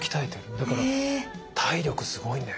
だから体力すごいんだよ。